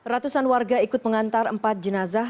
ratusan warga ikut mengantar empat jenazah